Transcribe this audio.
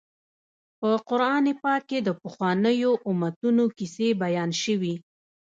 په قران پاک کې د پخوانیو امتونو کیسې بیان شوي.